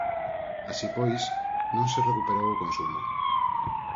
Así pois, non se recuperou o consumo.